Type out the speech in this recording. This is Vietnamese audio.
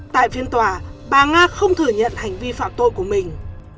tại phiên tòa bà nga không thừa nhận hành vi phạm tội của mình